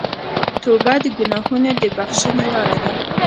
توبه د ګناهونو د بخښنې لاره ده.